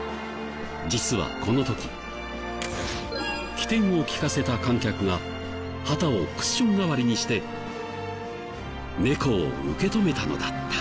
実はこの時機転を利かせた観客が旗をクッション代わりにして猫を受け止めたのだった。